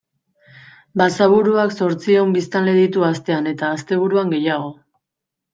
Basaburuak zortziehun biztanle ditu astean eta asteburuan gehiago.